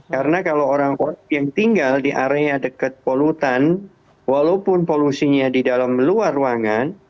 karena kalau orang yang tinggal di area dekat polutan walaupun polusinya di dalam luar ruangan